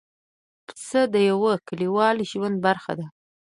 پسه د یوه کلیوالو ژوند برخه ده.